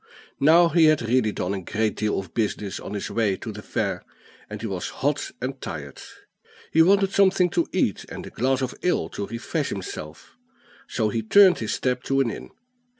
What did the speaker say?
Now he had really done a great deal of business on his way to the fair, and he was hot and tired. He wanted something to eat, and a glass of ale to refresh himself; so he turned his steps to an inn.